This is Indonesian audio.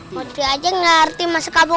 moci aja gak ngerti masa kamu